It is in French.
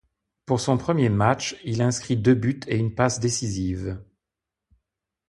Pour son premier match, il inscrit deux buts et une passe décisive.